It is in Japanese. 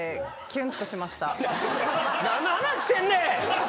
何の話してんねん！